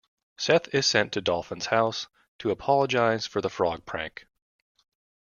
Seth is sent to Dolphin's house to apologise for the frog prank.